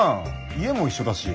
家も一緒だし。